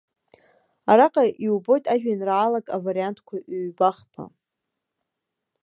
Араҟа иубоит ажәеинраалак авариантқәа ҩба-хԥа.